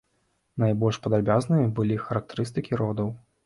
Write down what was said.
Найбольш падрабязнымі былі характарыстыкі родаў.